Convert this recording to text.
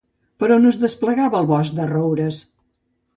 Per on es desplegava el bosc de roures?